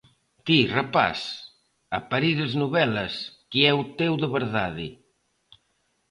Ti, rapaz, a parires novelas, que é o teu de verdade.